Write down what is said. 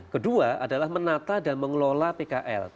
kedua adalah menata dan mengelola pkl